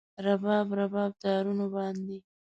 رباب، رباب تارونو باندې